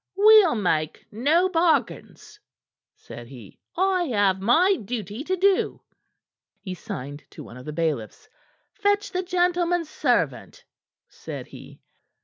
"We'll make no bargains," said he. "I have my duty to do." He signed to one of the bailiffs. "Fetch the gentleman's servant," said he.